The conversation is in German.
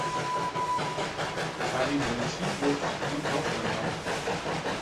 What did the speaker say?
Karin holt tief Luft und taucht unter.